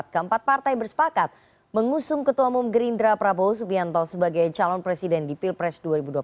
keempat partai bersepakat mengusung ketua umum gerindra prabowo subianto sebagai calon presiden di pilpres dua ribu dua puluh empat